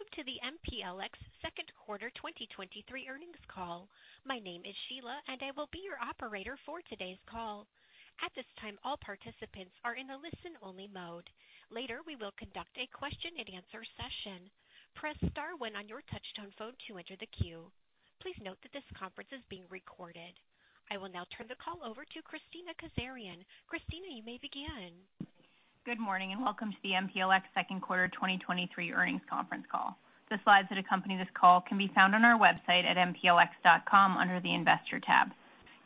Welcome to the MPLX Second Quarter 2023 Earnings Call. My name is Sheila. I will be your operator for today's call. At this time, all participants are in a listen-only mode. Later, we will conduct a question-and-answer session. Press Star one on your touchtone phone to enter the queue. Please note that this conference is being recorded. I will now turn the call over to Kristina Kazarian. Kristina, you may begin. Good morning, welcome to the MPLX second quarter 2023 Earnings Conference Call. The slides that accompany this call can be found on our website at mplx.com under the Investor tab.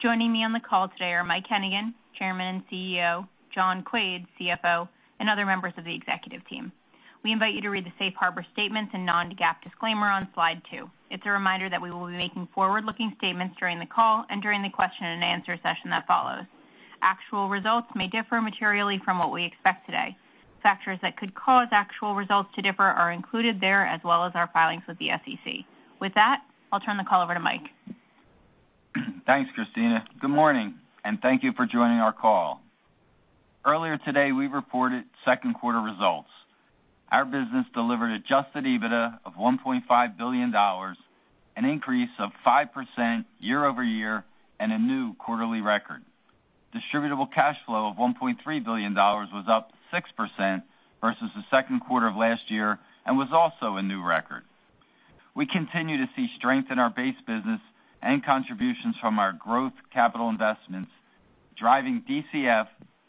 Joining me on the call today are Mike Hennigan, Chairman and CEO, John Quaid, CFO, and other members of the executive team. We invite you to read the safe harbor statements and non-GAAP disclaimer on slide 2. It's a reminder that we will be making forward-looking statements during the call and during the question-and-answer session that follows. Actual results may differ materially from what we expect today. Factors that could cause actual results to differ are included there, as well as our filings with the SEC. I'll turn the call over to Mike. Thanks, Kristina. Good morning, and thank you for joining our call. Earlier today, we reported second quarter results. Our business delivered adjusted EBITDA of $1.5 billion, an increase of 5% year-over-year, and a new quarterly record. Distributable cash flow of $1.3 billion was up 6% versus the second quarter of last year and was also a new record. We continue to see strength in our base business and contributions from our growth capital investments, driving DCF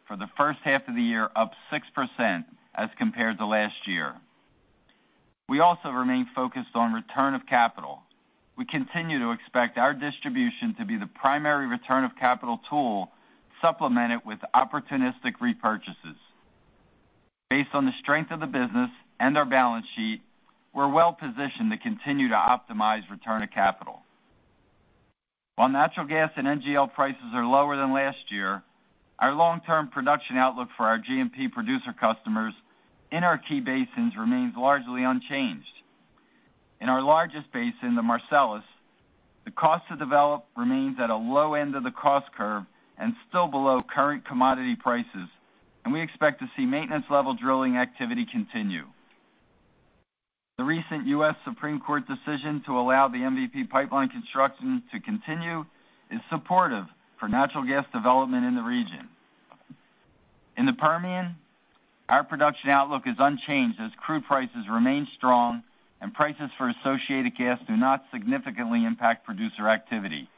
for the first half of the year up 6% as compared to last year. We also remain focused on return of capital. We continue to expect our distribution to be the primary return of capital tool, supplemented with opportunistic repurchases. Based on the strength of the business and our balance sheet, we're well positioned to continue to optimize return of capital. While natural gas and NGL prices are lower than last year, our long-term production outlook for our G&P producer customers in our key basins remains largely unchanged. In our largest basin, the Marcellus, the cost to develop remains at a low end of the cost curve and still below current commodity prices, and we expect to see maintenance-level drilling activity continue. The recent U.S. Supreme Court decision to allow the MVP pipeline construction to continue is supportive for natural gas development in the region. In the Permian, our production outlook is unchanged as crude prices remain strong and prices for associated gas do not significantly impact producer activity.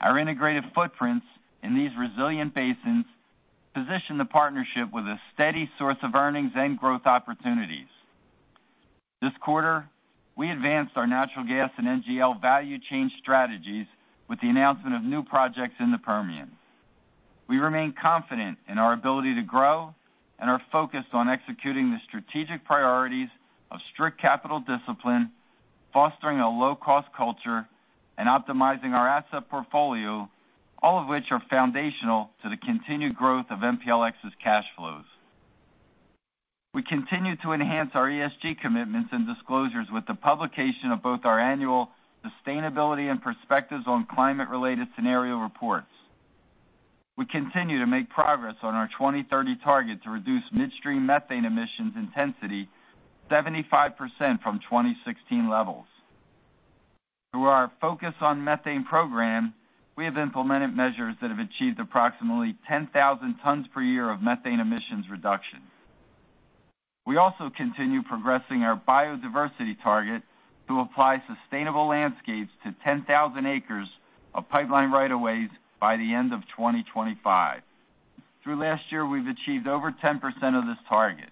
Our integrated footprints in these resilient basins position the partnership with a steady source of earnings and growth opportunities. This quarter, we advanced our natural gas and NGL value chain strategies with the announcement of new projects in the Permian. We remain confident in our ability to grow and are focused on executing the strategic priorities of strict capital discipline, fostering a low-cost culture, and optimizing our asset portfolio, all of which are foundational to the continued growth of MPLX's cash flows. We continue to enhance our ESG commitments and disclosures with the publication of both our annual sustainability and perspectives on climate-related scenario reports. We continue to make progress on our 2030 target to reduce midstream methane emissions intensity 75% from 2016 levels. Through our Focus on Methane program, we have implemented measures that have achieved approximately 10,000 tons per year of methane emissions reduction. We also continue progressing our biodiversity target to apply sustainable landscapes to 10,000 acres of pipeline right of ways by the end of 2025. Through last year, we've achieved over 10% of this target.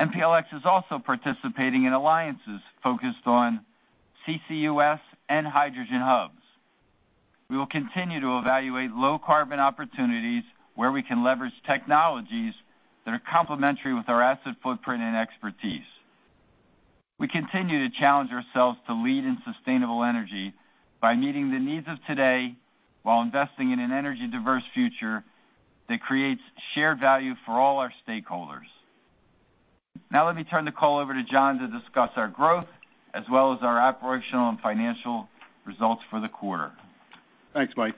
MPLX is also participating in alliances focused on CCUS and hydrogen hubs. We will continue to evaluate low-carbon opportunities where we can leverage technologies that are complementary with our asset footprint and expertise. We continue to challenge ourselves to lead in sustainable energy by meeting the needs of today while investing in an energy-diverse future that creates shared value for all our stakeholders. Now, let me turn the call over to John to discuss our growth as well as our operational and financial results for the quarter. Thanks, Mike.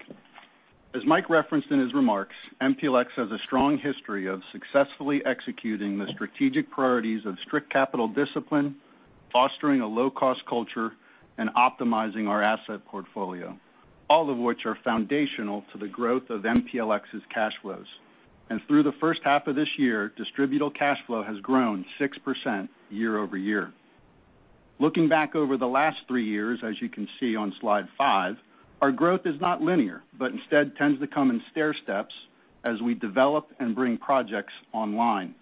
As Mike referenced in his remarks, MPLX has a strong history of successfully executing the strategic priorities of strict capital discipline, fostering a low-cost culture, and optimizing our asset portfolio, all of which are foundational to the growth of MPLX's cash flows. Through the first half of this year, distributable cash flow has grown 6% year-over-year. Looking back over the last 3 years, as you can see on slide 5, our growth is not linear, but instead tends to come in stairsteps as we develop and bring projects online.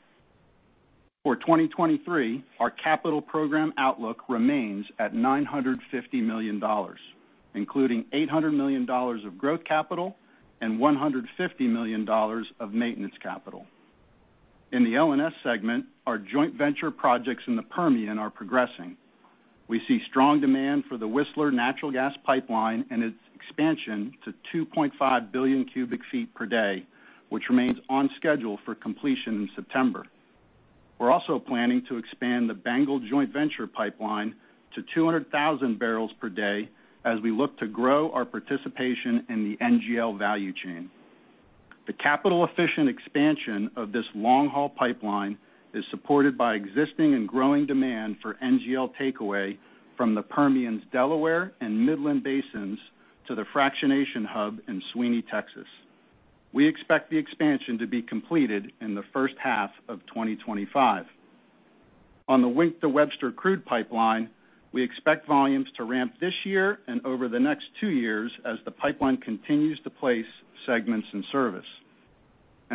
For 2023, our capital program outlook remains at $950 million, including $800 million of growth capital and $150 million of maintenance capital. In the LNS segment, our joint venture projects in the Permian are progressing. We see strong demand for the Whistler natural gas pipeline and its expansion to 2.5 billion cubic feet per day, which remains on schedule for completion in September. We're also planning to expand the Bengal joint venture pipeline to 200,000 barrels per day as we look to grow our participation in the NGL value chain. The capital-efficient expansion of this long-haul pipeline is supported by existing and growing demand for NGL takeaway from the Permian's Delaware and Midland Basins to the fractionation hub in Sweeny, Texas. We expect the expansion to be completed in the first half of 2025. On the Wink to Webster crude pipeline, we expect volumes to ramp this year and over the next 2 years as the pipeline continues to place segments in service.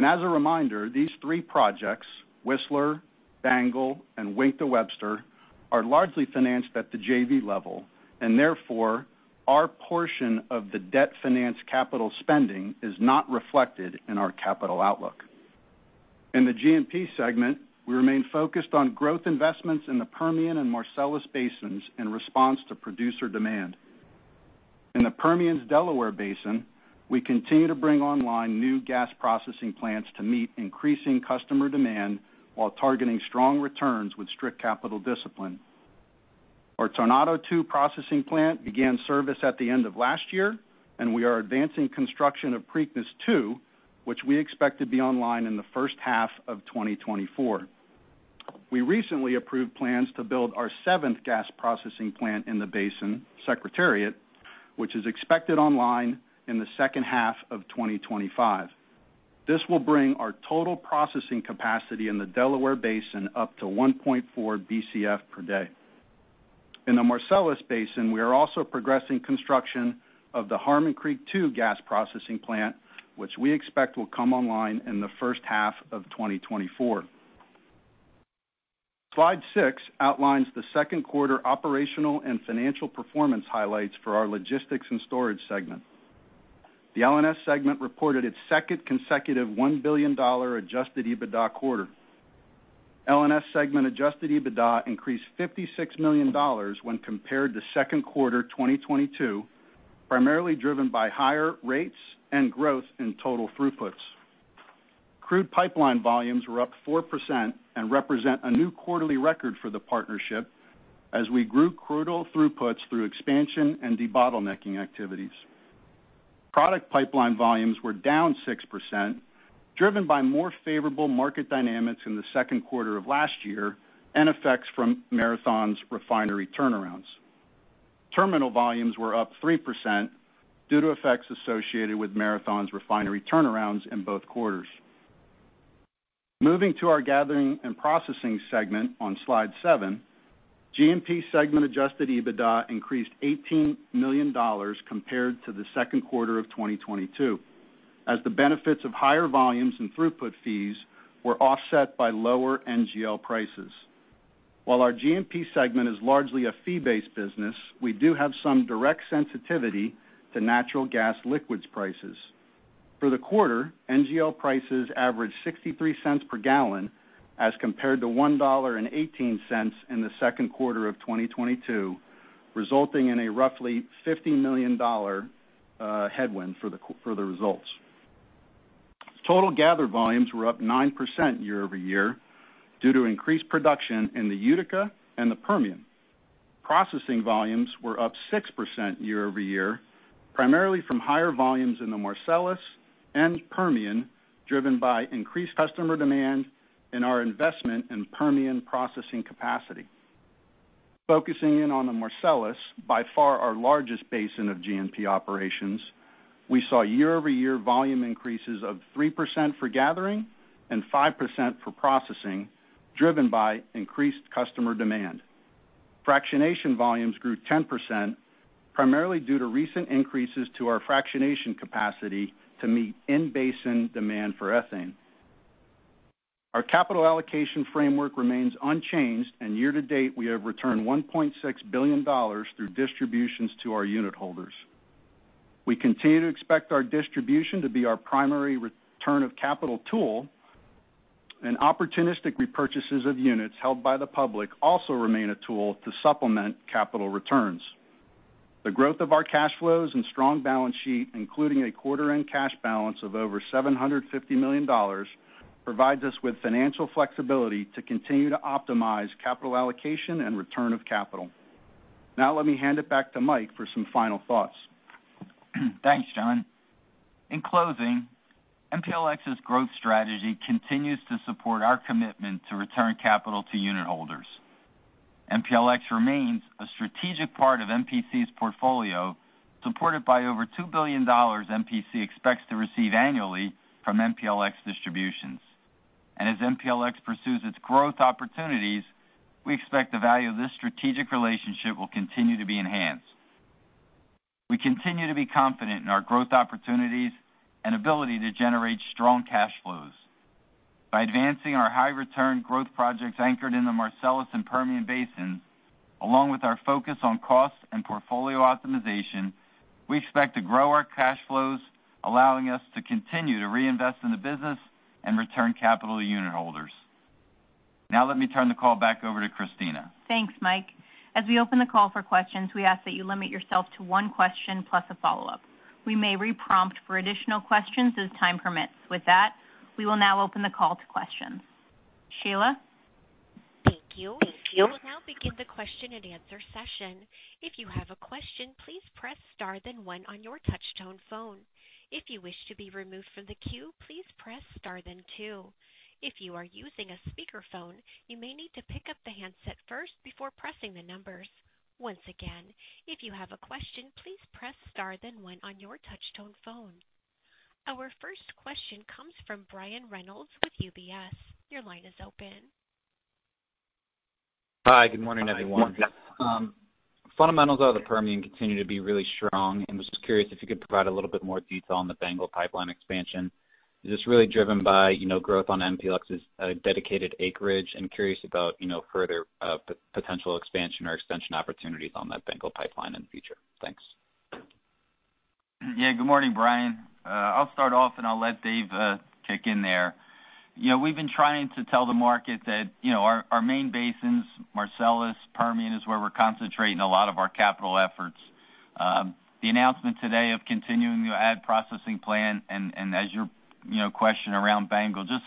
As a reminder, these three projects, Whistler, BANGL, and Wink to Webster, are largely financed at the JV level, and therefore, our portion of the debt finance capital spending is not reflected in our capital outlook. In the G&P segment, we remain focused on growth investments in the Permian and Marcellus Basins in response to producer demand. In the Permian's Delaware Basin, we continue to bring online new gas processing plants to meet increasing customer demand while targeting strong returns with strict capital discipline. Our Tornado II processing plant began service at the end of last year, and we are advancing construction of Preakness II, which we expect to be online in the first half of 2024. We recently approved plans to build our seventh gas processing plant in the basin, Secretariat, which is expected online in the second half of 2025. This will bring our total processing capacity in the Delaware Basin up to 1.4 BCF per day. In the Marcellus Basin, we are also progressing construction of the Harmon Creek Two gas processing plant, which we expect will come online in the first half of 2024. Slide 6 outlines the second quarter operational and financial performance highlights for our logistics and storage segment. The LNS segment reported its second consecutive $1 billion adjusted EBITDA quarter. LNS segment adjusted EBITDA increased $56 million when compared to second quarter 2022, primarily driven by higher rates and growth in total throughputs. Crude pipeline volumes were up 4% and represent a new quarterly record for the partnership as we grew crude oil throughputs through expansion and debottlenecking activities. Product pipeline volumes were down 6%, driven by more favorable market dynamics in the second quarter of last year and effects from Marathon's refinery turnarounds. Terminal volumes were up 3% due to effects associated with Marathon's refinery turnarounds in both quarters. Moving to our G&P segment on slide seven, G&P segment adjusted EBITDA increased $18 million compared to the second quarter of 2022, as the benefits of higher volumes and throughput fees were offset by lower NGL prices. While our G&P segment is largely a fee-based business, we do have some direct sensitivity to natural gas liquids prices. For the quarter, NGL prices averaged $0.63 per gallon, as compared to $1.18 in the second quarter of 2022, resulting in a roughly $50 million headwind for the results. Total gather volumes were up 9% year-over-year due to increased production in the Utica and the Permian. Processing volumes were up 6% year-over-year, primarily from higher volumes in the Marcellus and Permian, driven by increased customer demand and our investment in Permian processing capacity. Focusing in on the Marcellus, by far our largest basin of GNP operations, we saw year-over-year volume increases of 3% for gathering and 5% for processing, driven by increased customer demand. Fractionation volumes grew 10%, primarily due to recent increases to our fractionation capacity to meet in-basin demand for ethane. Our capital allocation framework remains unchanged. Year-to-date, we have returned $1.6 billion through distributions to our unit holders. We continue to expect our distribution to be our primary return of capital tool. Opportunistic repurchases of units held by the public also remain a tool to supplement capital returns. The growth of our cash flows and strong balance sheet, including a quarter-end cash balance of over $750 million, provides us with financial flexibility to continue to optimize capital allocation and return of capital. Let me hand it back to Mike for some final thoughts. Thanks, John. In closing, MPLX's growth strategy continues to support our commitment to return capital to unit holders. MPLX remains a strategic part of MPC's portfolio, supported by over $2 billion MPC expects to receive annually from MPLX distributions. As MPLX pursues its growth opportunities, we expect the value of this strategic relationship will continue to be enhanced. We continue to be confident in our growth opportunities and ability to generate strong cash flows. By advancing our high-return growth projects anchored in the Marcellus and Permian Basins, along with our focus on cost and portfolio optimization, we expect to grow our cash flows, allowing us to continue to reinvest in the business and return capital to unit holders. Now let me turn the call back over to Kristina. Thanks, Mike. As we open the call for questions, we ask that you limit yourself to one question plus a follow-up. We may re-prompt for additional questions as time permits. With that, we will now open the call to questions. Sheila? Thank you. We will now begin the question and answer session. If you have a question, please press star then one on your touchtone phone. If you wish to be removed from the queue, please press star then two. If you are using a speakerphone, you may need to pick up the handset first before pressing the numbers. Once again, if you have a question, please press star then one on your touchtone phone. Our first question comes from Brian Reynolds with UBS. Your line is open. Hi, good morning, everyone. Good morning. Fundamentals out of the Permian continue to be really strong, and was just curious if you could provide a little bit more detail on the Bengal pipeline expansion. Is this really driven by, you know, growth on MPLX's dedicated acreage? Curious about, you know, further potential expansion or extension opportunities on that Bengal pipeline in the future. Thanks. Yeah. Good morning, Brian. I'll start off, and I'll let Dave kick in there. You know, we've been trying to tell the market that, you know, our, our main basins, Marcellus, Permian, is where we're concentrating a lot of our capital efforts. The announcement today of continuing the add processing plan and, and as your, you know, question around Bengal, just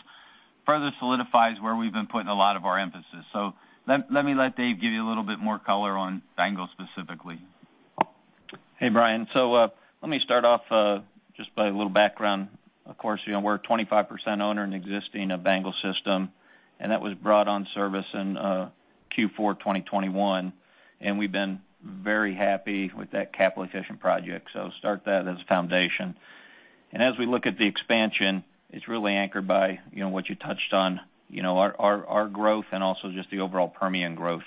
further solidifies where we've been putting a lot of our emphasis. Let, let me let Dave give you a little bit more color on Bengal specifically. Hey, Brian. Let me start off just by a little background. Of course, you know, we're a 25% owner in existing Bengal, and that was brought on service in Q4 2021, and we've been very happy with that capital-efficient project. Start that as a foundation. As we look at the expansion, it's really anchored by, you know, what you touched on, you know, our, our, our growth and also just the overall Permian growth.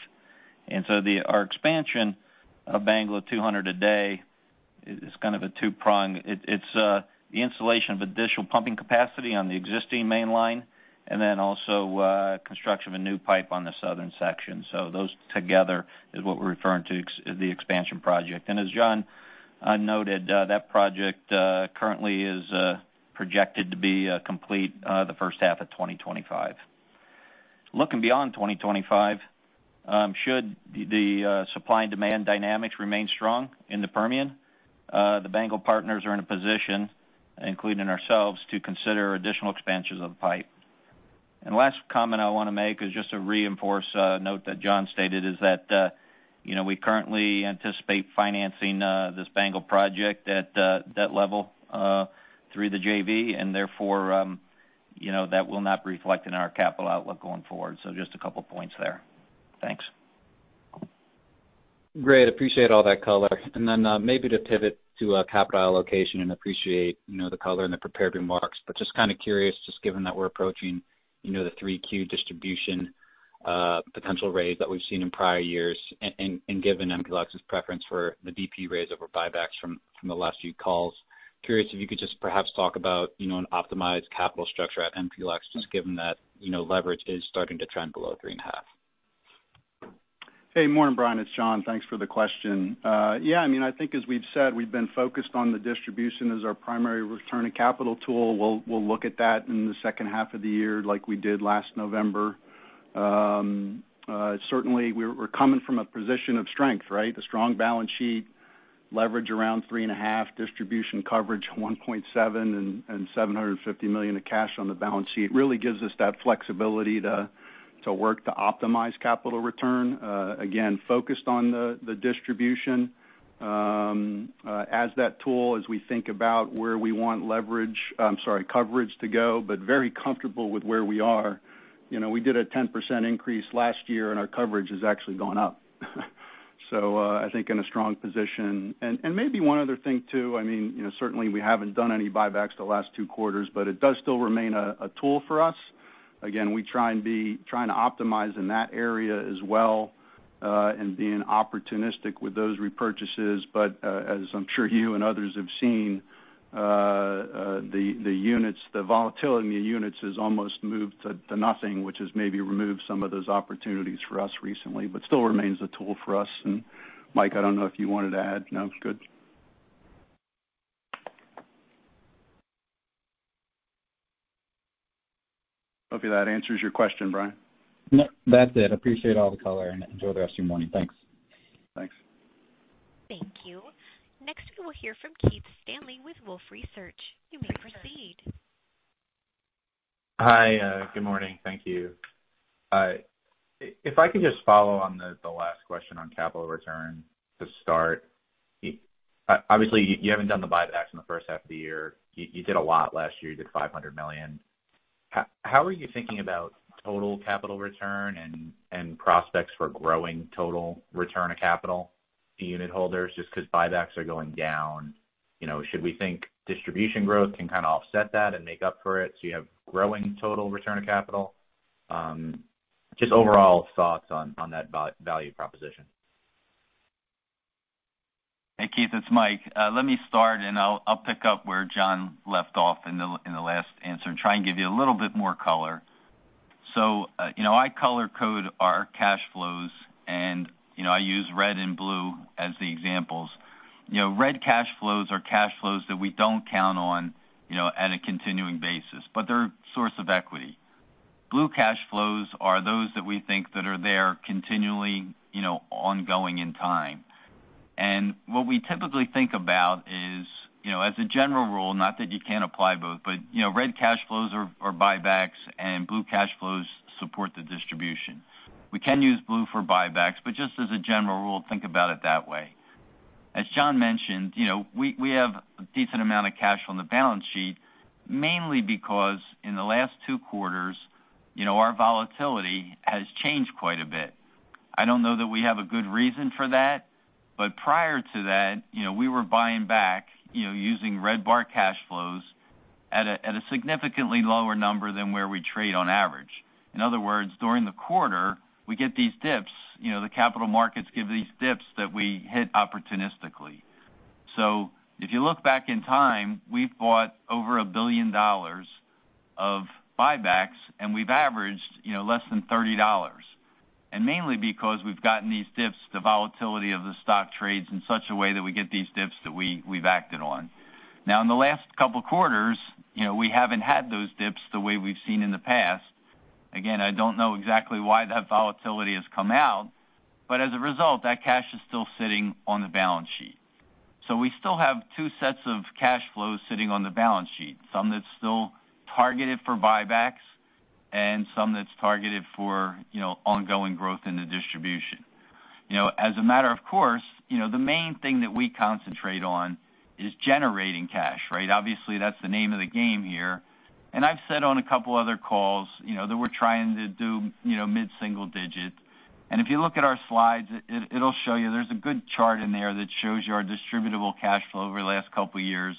Our expansion of Bengal of 200 a day is, is kind of a two-prong. It, it's the installation of additional pumping capacity on the existing mainline and then also construction of a new pipe on the southern section. Those together is what we're referring to the expansion project. As John noted, that project currently is projected to be complete the first half of 2025. Looking beyond 2025, should the, the supply and demand dynamics remain strong in the Permian, the Bengal partners are in a position, including ourselves, to consider additional expansions of the pipe. Last comment I want to make is just to reinforce a note that John stated, is that, you know, we currently anticipate financing this Bengal project at debt level through the JV, and therefore, you know, that will not be reflected in our capital outlook going forward. Just a couple points there. Thanks. Great. Appreciate all that color. Then, maybe to pivot to capital allocation, and appreciate, you know, the color and the prepared remarks, but just kind of curious, just given that we're approaching, you know, the 3Q distribution potential raise that we've seen in prior years, and given MPLX's preference for the DP raise over buybacks from the last few calls. Curious if you could just perhaps talk about, you know, an optimized capital structure at MPLX, just given that, you know, leverage is starting to trend below 3.5. Hey, morning, Brian. It's John. Thanks for the question. Yeah, I mean, I think as we've said, we've been focused on the distribution as our primary return of capital tool. We'll, we'll look at that in the second half of the year, like we did last November. Certainly, we're, we're coming from a position of strength, right? A strong balance sheet, leverage around 3.5, distribution coverage, 1.7, and $750 million of cash on the balance sheet, really gives us that flexibility to work to optimize capital return. Again, focused on the distribution as that tool, as we think about where we want leverage, sorry, coverage to go, but very comfortable with where we are. You know, we did a 10% increase last year, and our coverage has actually gone up. I think in a strong position. Maybe one other thing, too, I mean, you know, certainly we haven't done any buybacks the last 2 quarters, but it does still remain a tool for us. Again, we try and be trying to optimize in that area as well, and being opportunistic with those repurchases. As I'm sure you and others have seen, the units, the volatility in the units has almost moved to nothing, which has maybe removed some of those opportunities for us recently, but still remains a tool for us. Mike, I don't know if you wanted to add? No, it's good. Hopefully, that answers your question, Brian. Yep, that's it. Appreciate all the color and enjoy the rest of your morning. Thanks. Thanks. Thank you. Next, we'll hear from Keith Stanley with Wolfe Research. You may proceed. Hi, good morning. Thank you. If I could just follow on the last question on capital return to start. Obviously, you haven't done the buybacks in the first half of the year. You did a lot last year, you did $500 million. How are you thinking about total capital return and prospects for growing total return of capital to unitholders just because buybacks are going down? You know, should we think distribution growth can kind of offset that and make up for it so you have growing total return of capital? Just overall thoughts on that value proposition. Hey, Keith, it's Mike. Let me start, and I'll, I'll pick up where John left off in the, in the last answer and try and give you a little bit more color. You know, I color code our cash flows, and, you know, I use red and blue as the examples. You know, red cash flows are cash flows that we don't count on, you know, at a continuing basis, but they're a source of equity. Blue cash flows are those that we think that are there continually, you know, ongoing in time. What we typically think about is, you know, as a general rule, not that you can't apply both, but, you know, red cash flows are, are buybacks, and blue cash flows support the distribution. We can use blue for buybacks, but just as a general rule, think about it that way. As John mentioned, you know, we, we have a decent amount of cash on the balance sheet, mainly because in the last two quarters, you know, our volatility has changed quite a bit. I don't know that we have a good reason for that, but prior to that, you know, we were buying back, you know, using red bar cash flows at a, at a significantly lower number than where we trade on average. In other words, during the quarter, we get these dips. You know, the capital markets give these dips that we hit opportunistically. If you look back in time, we've bought over $1 billion of buybacks, we've averaged, you know, less than $30. Mainly because we've gotten these dips, the volatility of the stock trades in such a way that we get these dips that we've acted on. In the last couple of quarters, you know, we haven't had those dips the way we've seen in the past. I don't know exactly why that volatility has come out, but as a result, that cash is still sitting on the balance sheet. We still have two sets of cash flows sitting on the balance sheet, some that's still targeted for buybacks and some that's targeted for, you know, ongoing growth in the distribution. You know, as a matter of course, you know, the main thing that we concentrate on is generating cash, right? Obviously, that's the name of the game here. I've said on a couple other calls, you know, that we're trying to do, you know, mid-single digit. If you look at our slides, it'll show you there's a good chart in there that shows you our distributable cash flow over the last couple of years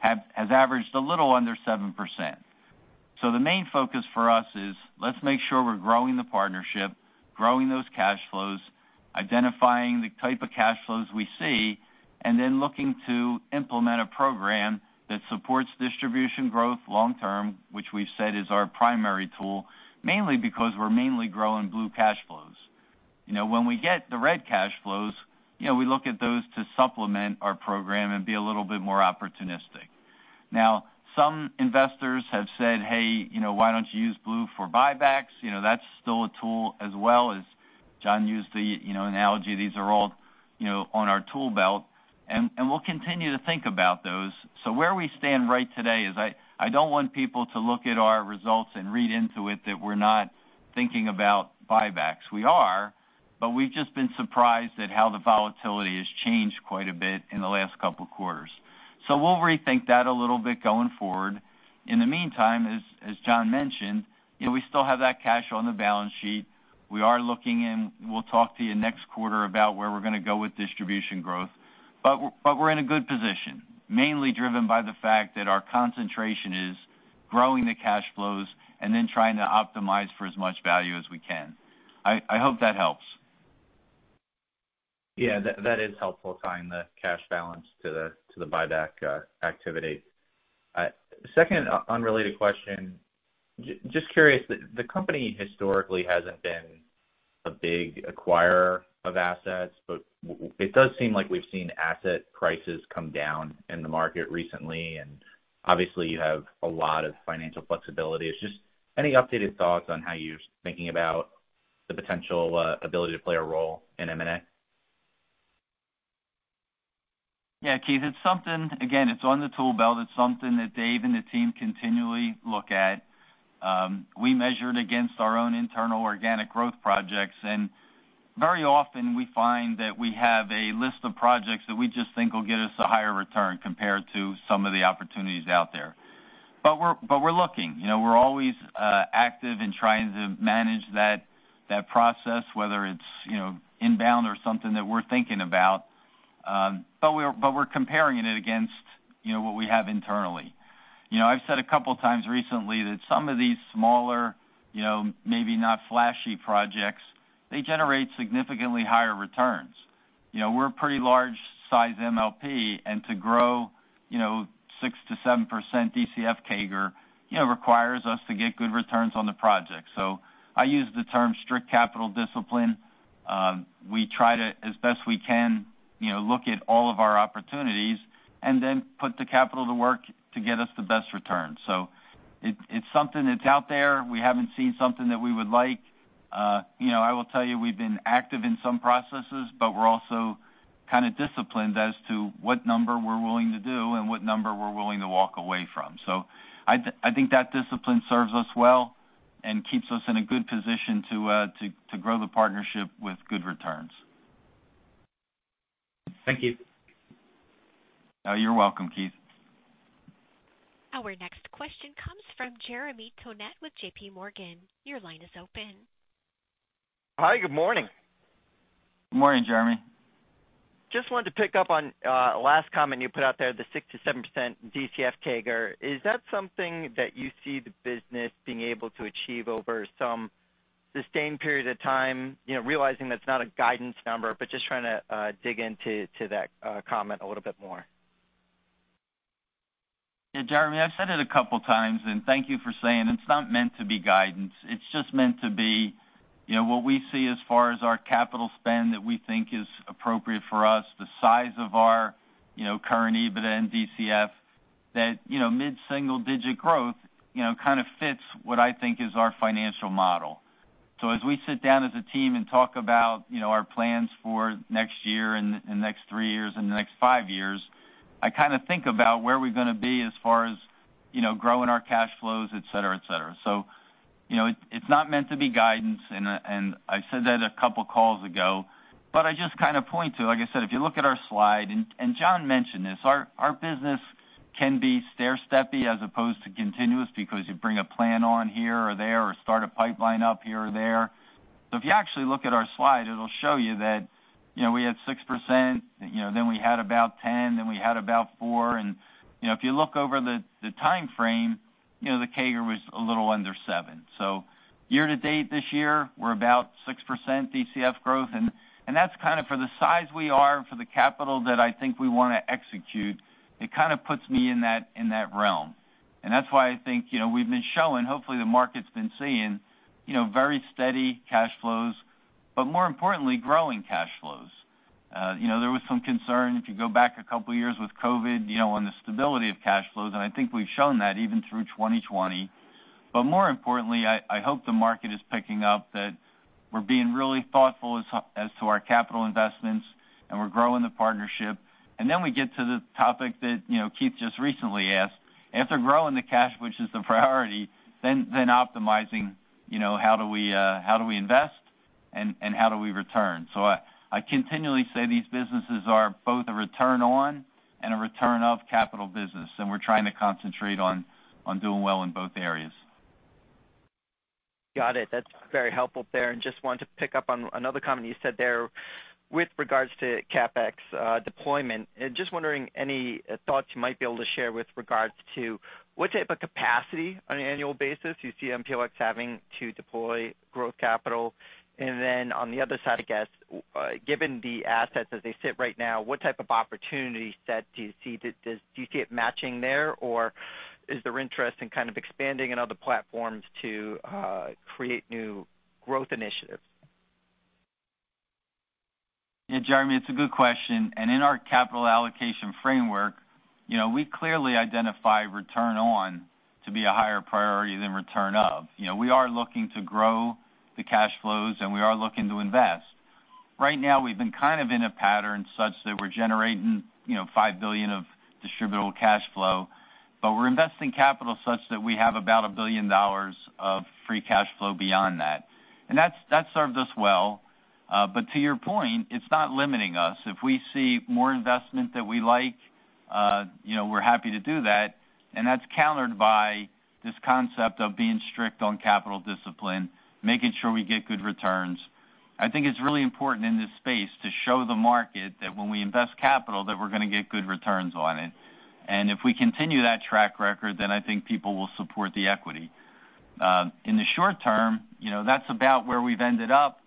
has averaged a little under 7%. The main focus for us is, let's make sure we're growing the partnership, growing those cash flows, identifying the type of cash flows we see, and then looking to implement a program that supports distribution growth long term, which we've said is our primary tool, mainly because we're mainly growing blue cash flows. You know, when we get the red cash flows, you know, we look at those to supplement our program and be a little bit more opportunistic. Now, some investors have said, "Hey, you know, why don't you use blue for buybacks?" You know, that's still a tool as well. As John used the, you know, analogy, these are all, you know, on our tool belt, and, and we'll continue to think about those. Where we stand right today is I, I don't want people to look at our results and read into it that we're not thinking about buybacks. We are, but we've just been surprised at how the volatility has changed quite a bit in the last couple of quarters. We'll rethink that a little bit going forward. In the meantime, as, as John mentioned, you know, we still have that cash on the balance sheet. We are looking and we'll talk to you next quarter about where we're going to go with distribution growth. But we're in a good position, mainly driven by the fact that our concentration is growing the cash flows and then trying to optimize for as much value as we can. I hope that helps. Yeah, that, that is helpful, tying the cash balance to the, to the buyback, activity. Second, unrelated question. Just curious, the, the company historically hasn't been a big acquirer of assets, but it does seem like we've seen asset prices come down in the market recently, and obviously, you have a lot of financial flexibility. It's just, any updated thoughts on how you're thinking about the potential, ability to play a role in M&A? Yeah, Keith, it's something... Again, it's on the tool belt. It's something that Dave and the team continually look at. We measure it against our own internal organic growth projects. Very often, we find that we have a list of projects that we just think will get us a higher return compared to some of the opportunities out there. We're, but we're looking, you know, we're always active in trying to manage that, that process, whether it's, you know, inbound or something that we're thinking about. We're, but we're comparing it against, you know, what we have internally. You know, I've said a couple of times recently that some of these smaller, you know, maybe not flashy projects, they generate significantly higher returns. You know, we're a pretty large size MLP, and to grow, you know, 6%-7% DCF CAGR, you know, requires us to get good returns on the project. I use the term strict capital discipline. We try to, as best we can, you know, look at all of our opportunities and then put the capital to work to get us the best return. It's something that's out there. We haven't seen something that we would like. You know, I will tell you, we've been active in some processes, but we're also kind of disciplined as to what number we're willing to do and what number we're willing to walk away from. I think that discipline serves us well and keeps us in a good position to grow the partnership with good returns. Thank you. Oh, you're welcome, Keith. Our next question comes from Jeremy Tonet with JPMorgan. Your line is open. Hi, good morning. Good morning, Jeremy. Just wanted to pick up on last comment you put out there, the 6%-7% DCF CAGR. Is that something that you see the business being able to achieve over some sustained period of time? You know, realizing that's not a guidance number. Just trying to dig into that comment a little bit more. Yeah, Jeremy, I've said it a couple times. Thank you for saying it's not meant to be guidance. It's just meant to be, you know, what we see as far as our capital spend that we think is appropriate for us, the size of our, you know, current EBITDA and DCF. That, you know, mid-single digit growth, you know, kind of fits what I think is our financial model. As we sit down as a team and talk about, you know, our plans for next year and the next three years and the next five years, I kind of think about where are we going to be as far as, you know, growing our cash flows, et cetera, et cetera. You know, it's, it's not meant to be guidance, and I said that a couple of calls ago, but I just kind of point to like I said, if you look at our slide, and John mentioned this, our business can be stairsteppy as opposed to continuous, because you bring a plan on here or there or start a pipeline up here or there. If you actually look at our slide, it'll show you that, you know, we had 6%, you know, then we had about 10, then we had about 4. You know, if you look over the time frame, you know, the CAGR was a little under 7. Year to date this year, we're about 6% DCF growth, and that's kind of for the size we are, for the capital that I think we want to execute. It kind of puts me in that, in that realm. That's why I think, you know, we've been showing, hopefully, the market's been seeing, you know, very steady cash flows, but more importantly, growing cash flows. You know, there was some concern, if you go back a couple of years with COVID, you know, on the stability of cash flows, and I think we've shown that even through 2020. More importantly, I, I hope the market is picking up, that we're being really thoughtful as to our capital investments, and we're growing the partnership. Then we get to the topic that, you know, Keith just recently asked. After growing the cash, which is the priority, then optimizing, you know, how do we invest, and how do we return? I, I continually say these businesses are both a return on and a return of capital business, and we're trying to concentrate on, on doing well in both areas. Got it. That's very helpful there. Just wanted to pick up on another comment you said there with regards to CapEx deployment. Just wondering, any thoughts you might be able to share with regards to what type of capacity on an annual basis you see MPLX having to deploy growth capital? Then on the other side, I guess, given the assets as they sit right now, what type of opportunity set do you see? Do you see it matching there, or is there interest in kind of expanding in other platforms to create new growth initiatives? Yeah, Jeremy, it's a good question. In our capital allocation framework, you know, we clearly identify return on to be a higher priority than return of. You know, we are looking to grow the cash flows, and we are looking to invest. Right now, we've been kind of in a pattern such that we're generating, you know, $5 billion of distributable cash flow, but we're investing capital such that we have about $1 billion of free cash flow beyond that. That's, that's served us well. To your point, it's not limiting us. If we see more investment that we like, you know, we're happy to do that, and that's countered by this concept of being strict on capital discipline, making sure we get good returns. I think it's really important in this space to show the market that when we invest capital, that we're going to get good returns on it. If we continue that track record, then I think people will support the equity. In the short term, you know, that's about where we've ended up.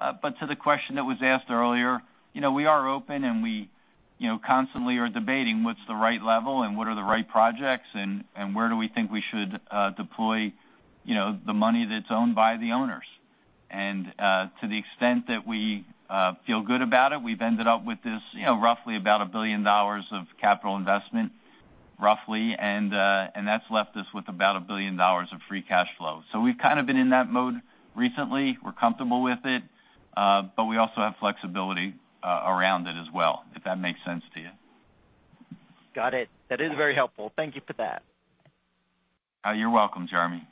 To the question that was asked earlier, you know, we are open and we, you know, constantly are debating what's the right level and what are the right projects and, and where do we think we should deploy, you know, the money that's owned by the owners. To the extent that we feel good about it, we've ended up with this, you know, roughly about $1 billion of capital investment, roughly, and that's left us with about $1 billion of free cash flow. We've kind of been in that mode recently. We're comfortable with it, but we also have flexibility around it as well, if that makes sense to you. Got it. That is very helpful. Thank you for that. You're welcome, Jeremy.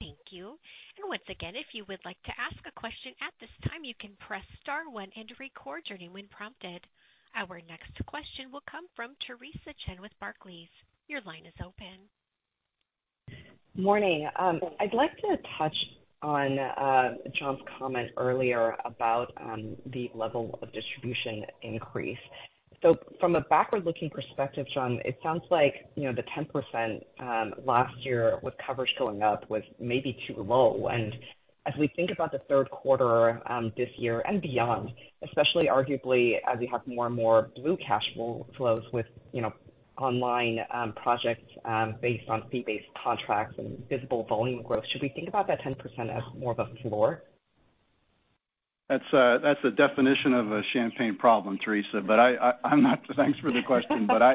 Thank you. Once again, if you would like to ask a question at this time, you can press star one and record your name when prompted. Our next question will come from Theresa Chen with Barclays. Your line is open. Morning. I'd like to touch on John's comment earlier about the level of distribution increase. From a backward-looking perspective, John, it sounds like, you know, the 10% last year with coverage going up was maybe too low. As we think about the third quarter this year and beyond, especially arguably as you have more and more blue cash flows with, you know, online projects based on fee-based contracts and visible volume growth, should we think about that 10% as more of a floor? That's a, that's a definition of a champagne problem, Teresa. I, I, I'm not... Thanks for the question, I,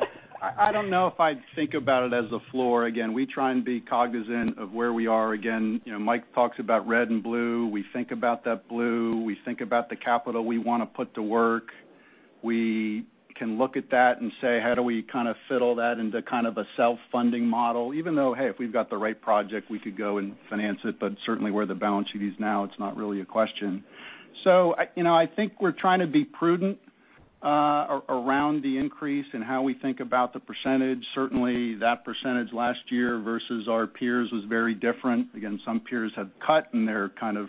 I don't know if I'd think about it as a floor. Again, we try and be cognizant of where we are. Again, you know, Mike talks about red and blue. We think about that blue. We think about the capital we want to put to work. We can look at that and say: How do we kind of fiddle that into kind of a self-funding model? Even though, hey, if we've got the right project, we could go and finance it, but certainly where the balance sheet is now, it's not really a question. I, you know, I think we're trying to be prudent around the increase in how we think about the percentage. Certainly, that percentage last year versus our peers was very different. Again, some peers have cut, and they're kind of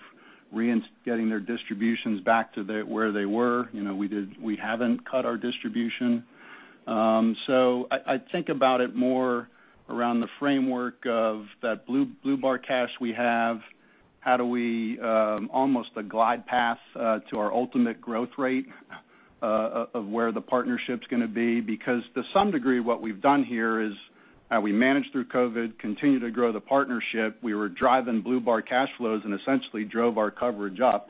getting their distributions back to where they were. You know, we haven't cut our distribution. I, I think about it more around the framework of that blue, blue bar cash we have. How do we, almost a glide path, to our ultimate growth rate, of where the partnership's gonna be? Because to some degree, what we've done here is, we managed through COVID, continued to grow the partnership. We were driving blue bar cash flows and essentially drove our coverage up.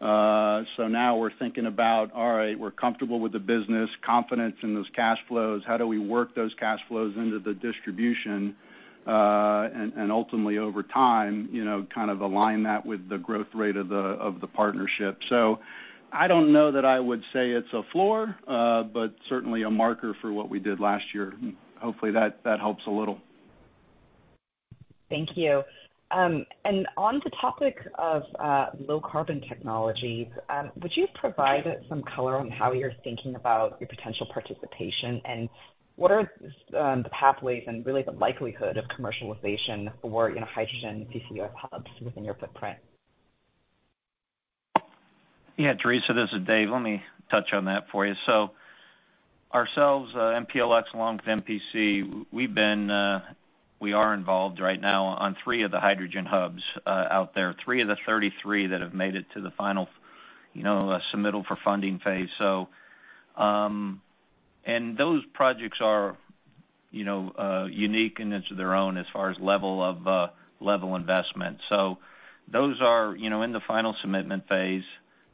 Now we're thinking about, all right, we're comfortable with the business, confident in those cash flows. How do we work those cash flows into the distribution, and, and ultimately, over time, you know, kind of align that with the growth rate of the, of the partnership? So I don't know that I would say it's a floor, but certainly a marker for what we did last year. Hopefully, that, that helps a little. Thank you. On the topic of low carbon technology, would you provide some color on how you're thinking about your potential participation? What are the pathways and really the likelihood of commercialization for, you know, hydrogen CCR hubs within your footprint? Yeah, Theresa, this is Dave. Let me touch on that for you. Ourselves, MPLX, along with MPC, we've been, we are involved right now on 3 of the hydrogen hubs out there, 3 of the 33 that have made it to the final, you know, submittal for funding phase. Those projects are, you know, unique and into their own as far as level of level investment. Those are, you know, in the final commitment phase.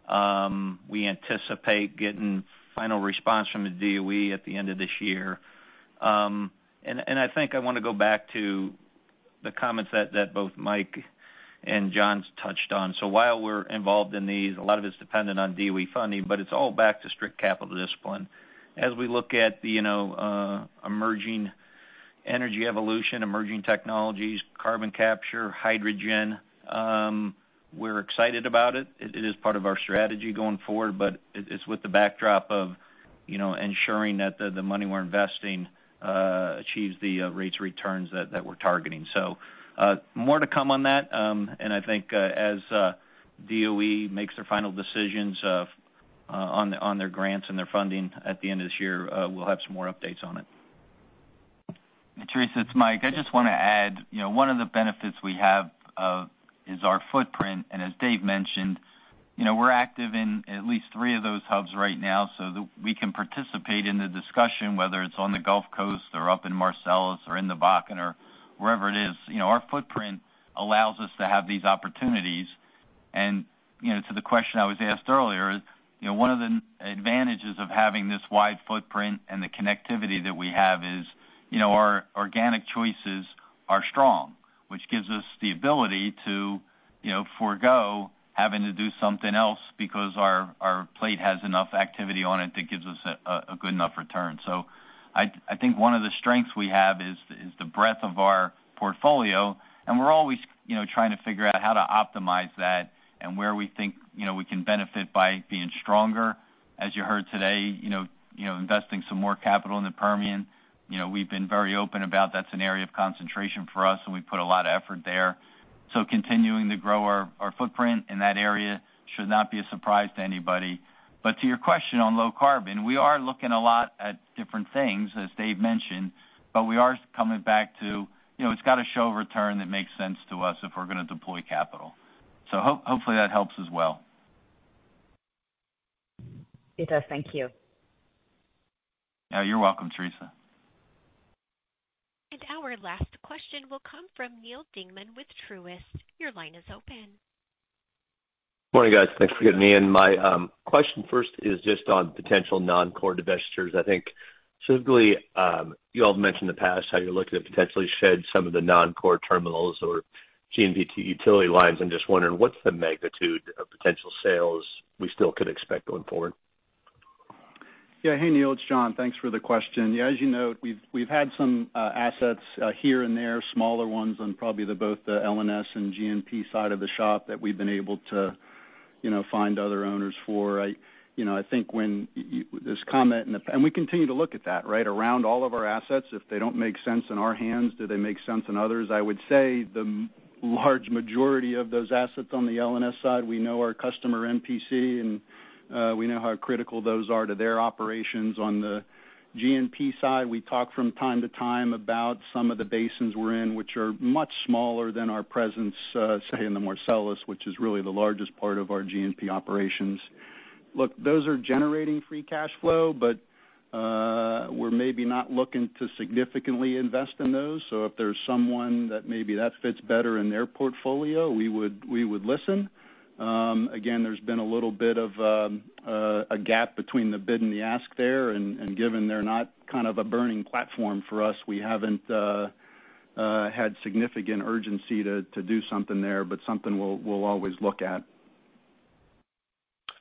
We anticipate getting final response from the DOE at the end of this year. I think I want to go back to the comments that both Mike and John's touched on. While we're involved in these, a lot of it's dependent on DOE funding, but it's all back to strict capital discipline. As we look at the, you know, emerging energy evolution, emerging technologies, carbon capture, hydrogen, we're excited about it. It is part of our strategy going forward, but it's with the backdrop of, you know, ensuring that the money we're investing achieves the rates returns that we're targeting. More to come on that. I think, as DOE makes their final decisions on their grants and their funding at the end of this year, we'll have some more updates on it. Teresa, it's Mike. I just want to add, you know, one of the benefits we have is our footprint, and as Dave mentioned, you know, we're active in at least three of those hubs right now, so we can participate in the discussion, whether it's on the Gulf Coast or up in Marcellus or in the Bakken or wherever it is. You know, our footprint allows us to have these opportunities. You know, to the question I was asked earlier, you know, one of the advantages of having this wide footprint and the connectivity that we have is, you know, our organic choices are strong, which gives us the ability to, you know, forgo having to do something else because our, our plate has enough activity on it that gives us a, a good enough return. I, I think one of the strengths we have is, is the breadth of our portfolio, and we're always, you know, trying to figure out how to optimize that and where we think, you know, we can benefit by being stronger. As you heard today, you know, you know, investing some more capital in the Permian. You know, we've been very open about that's an area of concentration for us, and we put a lot of effort there. Continuing to grow our, our footprint in that area should not be a surprise to anybody. To your question on low carbon, we are looking a lot at different things, as Dave mentioned, but we are coming back to, you know, it's got to show a return that makes sense to us if we're going to deploy capital. Hopefully, that helps as well. It does. Thank you. Yeah, you're welcome, Teresa. Our last question will come from Neal Dingman with Truist. Your line is open. Morning, guys. Thanks for getting me in. My question first is just on potential non-core divestitures. I think specifically, you all have mentioned in the past how you're looking to potentially shed some of the non-core terminals or G&P utility lines. I'm just wondering, what's the magnitude of potential sales we still could expect going forward? Yeah. Hey, Neal, it's John. Thanks for the question. Yeah, as you know, we've, we've had some assets here and there, smaller ones, and probably the, both the LNS and G&P side of the shop that we've been able to, you know, find other owners for. You know, I think when this comment, we continue to look at that, right? Around all of our assets, if they don't make sense in our hands, do they make sense in others? I would say the large majority of those assets on the LNS side, we know our customer, MPC, and we know how critical those are to their operations. On the G&P side, we talk from time to time about some of the basins we're in, which are much smaller than our presence, say, in the Marcellus, which is really the largest part of our G&P operations. Look, those are generating free cash flow, but we're maybe not looking to significantly invest in those. If there's someone that maybe that fits better in their portfolio, we would, we would listen. Again, there's been a little bit of a gap between the bid and the ask there, and given they're not kind of a burning platform for us, we haven't had significant urgency to do something there, but something we'll, we'll always look at.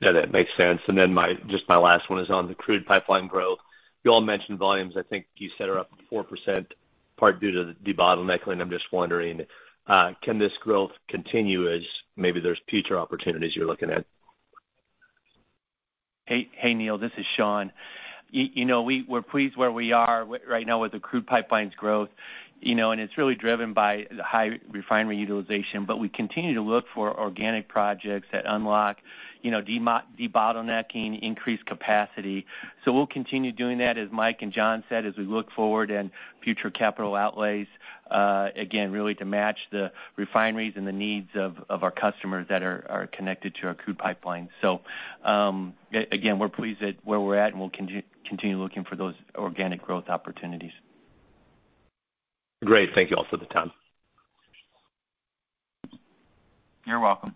Yeah, that makes sense. My-- just my last one is on the crude pipeline growth. You all mentioned volumes. I think you set her up 4%, part due to the debottlenecking. I'm just wondering, can this growth continue as maybe there's future opportunities you're looking at? Hey, hey, Neal, this is Shawn. You know, we're pleased where we are right now with the crude pipelines growth, you know, and it's really driven by the high refinery utilization. We continue to look for organic projects that unlock, you know, debottlenecking, increased capacity. We'll continue doing that, as Mike and John said, as we look forward in future capital outlays, again, really to match the refineries and the needs of, of our customers that are, are connected to our crude pipeline. Again, we're pleased at where we're at, and we'll continue looking for those organic growth opportunities. Great. Thank you all for the time. You're welcome.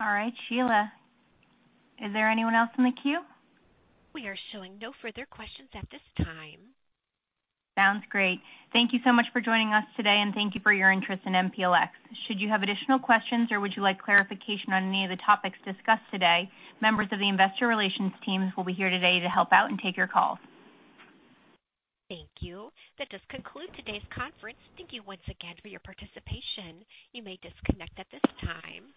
All right, Sheila, is there anyone else in the queue? We are showing no further questions at this time. Sounds great. Thank you so much for joining us today. Thank you for your interest in MPLX. Should you have additional questions or would you like clarification on any of the topics discussed today, members of the investor relations teams will be here today to help out and take your calls. Thank you. That does conclude today's conference. Thank you once again for your participation. You may disconnect at this time.